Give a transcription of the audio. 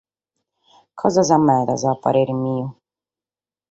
Cosas medas a parre meu.